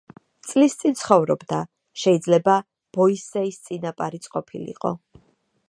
წლის წინ ცხოვრობდა, შიძლება ბოისეის წინაპარიც ყოფილიყო.